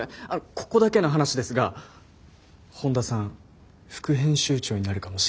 ここだけの話ですが本田さん副編集長になるかもしれないらしいっす。